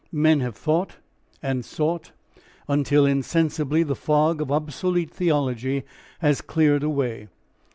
Men have thought and sought until insensibly the fog of obsolete theology has cleared away.